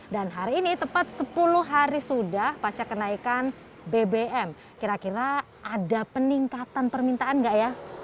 dan hari ini tepat sepuluh hari sudah pasca kenaikan bbm kira kira ada peningkatan permintaan enggak ya